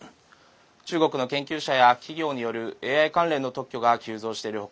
中国の研究者や企業によるＡＩ関連の特許が急増している他